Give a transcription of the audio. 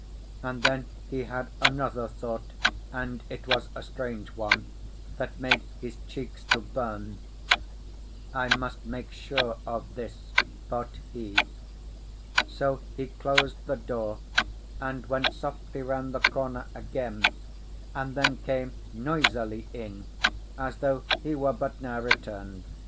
And then he had another thought; and it was a strange one, that made his cheeks to burn. "I must make sure of this," thought he. So he closed the door, and went softly round the corner again, and then came noisily in, as though he were but now returned.